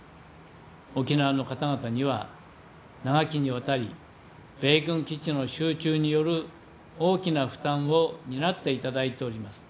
沖縄の方々には長きにわたり米軍基地の集中による大きな負担を担っていただいております。